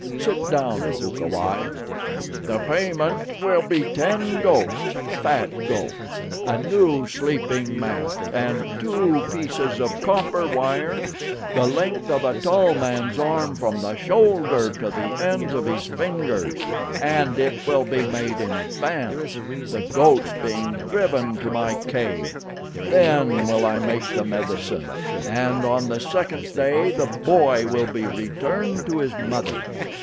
Sit down, Bukawai." "The payment will be ten goats fat goats a new sleeping mat and two pieces of copper wire the length of a tall man's arm from the shoulder to the ends of his fingers, and it will be made in advance, the goats being driven to my cave. Then will I make the medicine, and on the second day the boy will be returned to his mother.